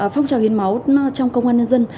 phong trào hiến máu trong công an nhân dân